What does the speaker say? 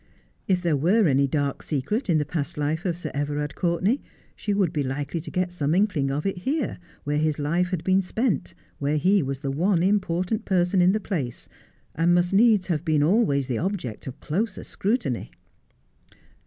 If there were any dark secret in the past life of Sir Everard Courtenay she would be likely to get some inkling of it here, where his life had been spent, where he was the one important person in the place, and must needs have been always the object of closest scrutiny.